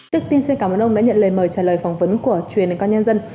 trước tiên xin cảm ơn ông đã nhận lời mời trả lời phỏng vấn của truyền luyện con nhân dân